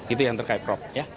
itu yang terkait rop